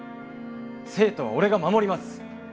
生徒は俺が守ります！